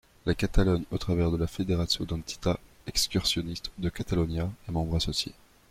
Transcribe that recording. La Catalogne au travers de la Federaciò d'Entitats Excursionistes de Catalunya est membre associé.